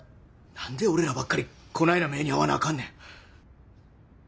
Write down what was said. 何で俺らばっかりこないな目に遭わなあかんねん。